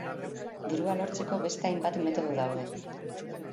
Dirua lortzeko beste hainbat metodo daude.